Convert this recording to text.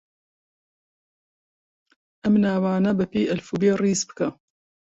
ئەم ناوانە بەپێی ئەلفوبێ ڕیز بکە.